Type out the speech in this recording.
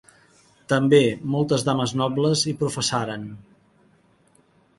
També, moltes dames nobles hi professaren.